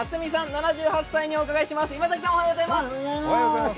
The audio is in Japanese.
７８歳にお伺いします。